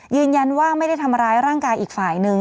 ยืนยันว่าไม่ได้ทำร้ายร่างกายอีกฝ่ายหนึ่ง